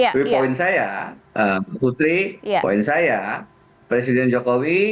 tapi poin saya putri poin saya presiden jokowi